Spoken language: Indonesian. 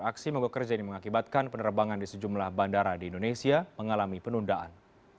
aksi mogok kerja ini mengakibatkan penerbangan di sejumlah bandara di indonesia mengalami penundaan